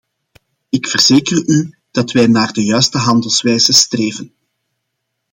Ik verzeker u dat wij naar de juiste handelwijze streven.